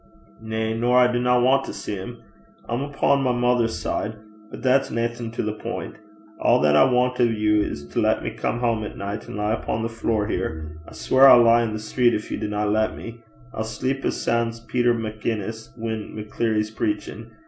'Na. Nor I dinna want to see 'im. I'm upo' my mither's side. But that's naething to the pint. A' that I want o' you 's to lat me come hame at nicht, an' lie upo' the flure here. I sweir I'll lie i' the street gin ye dinna lat me. I'll sleep as soun' 's Peter MacInnes whan Maccleary's preachin'.